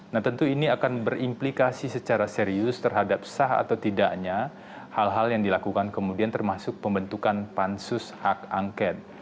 nah tentu ini akan berimplikasi secara serius terhadap sah atau tidaknya hal hal yang dilakukan kemudian termasuk pembentukan pansus hak angket